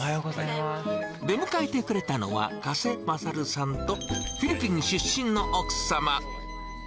出迎えてくれたのは加瀬勝さんと、フィリピン出身の奥様。